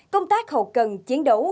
công tác hậu cần chiến đấu